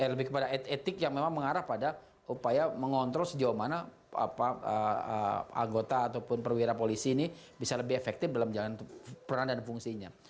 lebih kepada etik yang memang mengarah pada upaya mengontrol sejauh mana anggota ataupun perwira polisi ini bisa lebih efektif dalam menjalankan peran dan fungsinya